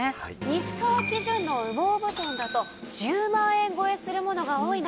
西川基準の羽毛布団だと１０万円超えするものが多い中